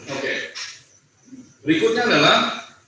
oke berikutnya adalah